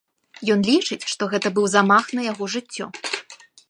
Ён лічыць, што гэта быў замах на яго жыццё.